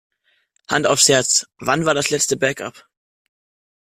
Hand aufs Herz: Wann war das letzte Backup?